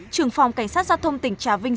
trưởng phòng cảnh sát giao thông tỉnh trà vinh